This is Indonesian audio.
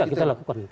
ya kita lakukan